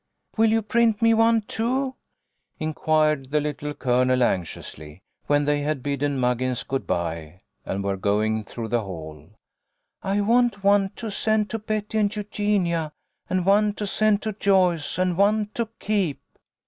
" Will you print me one, too ?" inquired the Little Colonel, anxiously, when they had bidden Muggins good bye, and were going through the hall. " I want one to send to Betty and Eugenia, and one to send to Joyce, and one to keep."